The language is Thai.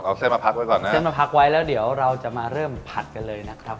เอาเส้นมาพักไว้ก่อนนะเส้นมาพักไว้แล้วเดี๋ยวเราจะมาเริ่มผัดกันเลยนะครับ